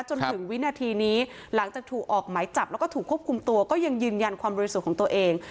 จนถึงวินาทีนี้หลังจากถูกออกหมายจับแล้วก็ถูกควบคุมตัวก็ยังยืนยันความบริสุทธิ์ของตัวเอง